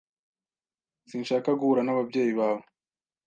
Sinshaka guhura n'ababyeyi bawe.